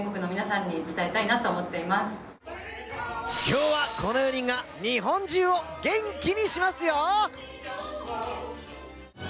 きょうは、この４人が日本中を元気にしますよ！